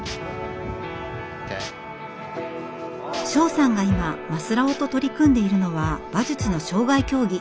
庄さんが今マスラオと取り組んでいるのは馬術の障害競技。